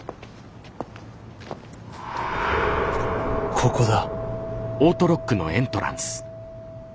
ここだ。